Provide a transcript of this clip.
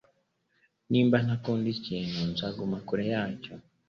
Niba ntakunda ikintu, nzaguma kure yacyo.